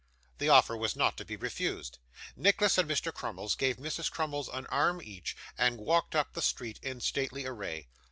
The offer was not to be refused; Nicholas and Mr. Crummles gave Mrs Crummles an arm each, and walked up the street in stately array.